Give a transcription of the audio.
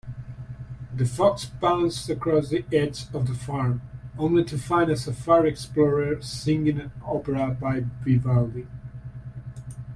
The fox pounced across the edge of the farm, only to find a safari explorer singing an opera by Vivaldi.